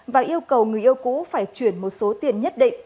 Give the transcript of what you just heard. và yêu cầu người yêu cũ phải chuyển một số tiền nhất định